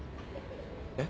えっ？